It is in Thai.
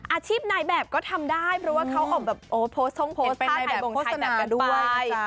อาชีพนายแบบก็ทำได้เพราะว่าเขาอบโพสต์ท่องโพสต์ผ้าถ่ายบ่งถ่ายตัดกันด้วย